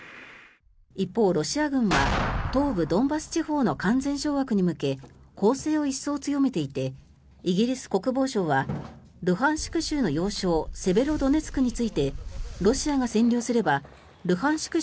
一方、ロシア軍は東部ドンバス地方の完全掌握に向け攻勢を一層強めていてイギリス国防省はルハンシク州の要衝セベロドネツクについてロシアが占領すればルハンシク